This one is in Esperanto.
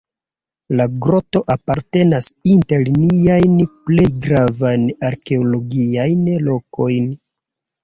La groto apartenas inter niajn plej gravajn arkeologiajn lokojn.